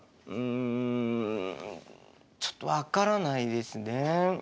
うんちょっと分からないですね。